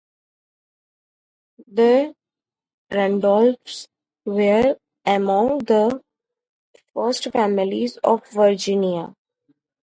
The Randolphs were among the First Families of Virginia.